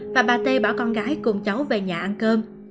và bà tê bỏ con gái cùng cháu về nhà ăn cơm